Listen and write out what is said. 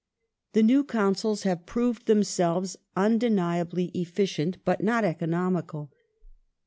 ^ The new Councils have proved themselves undeniably efficient, Finance but not economical.